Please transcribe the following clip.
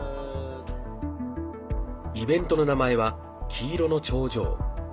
イベントの名前は黄色の長城。